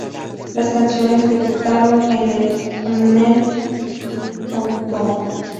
Las canciones debutaron en el Mnet "M!Countdown".